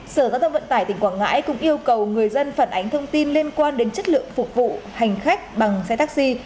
sở giao thông vận tải tỉnh quảng ngãi cũng yêu cầu người dân phản ánh thông tin liên quan đến chất lượng phục vụ hành khách bằng xe taxi